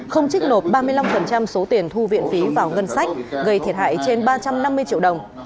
không trích nộp ba mươi năm số tiền thu viện phí vào ngân sách gây thiệt hại trên ba trăm năm mươi triệu đồng